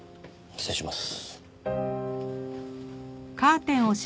失礼します。